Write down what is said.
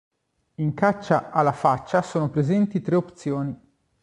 In Caccia alla faccia sono presenti tre opzioni.